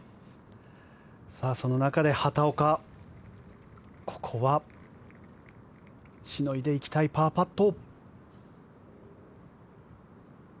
その中で畑岡ここはしのいでいきたいパーパット。